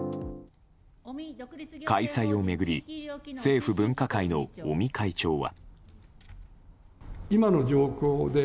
開催を巡り政府分科会の尾身会長は。